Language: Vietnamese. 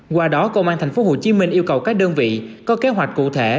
qua đó công an tp hcm yêu cầu các đơn vị có kế hoạch cụ thể